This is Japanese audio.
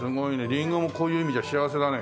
リンゴもこういう意味じゃ幸せだね。